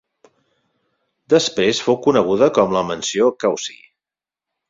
Després fou coneguda com la "mansió Causey.